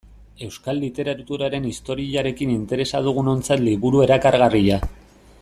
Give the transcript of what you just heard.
Euskal literaturaren historiarekin interesa dugunontzat liburu erakargarria.